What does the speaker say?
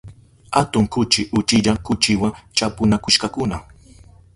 Atun kuchi uchilla kuchiwa chapunakushkakuna.